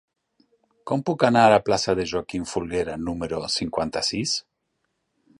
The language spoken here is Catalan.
Com puc anar a la plaça de Joaquim Folguera número cinquanta-sis?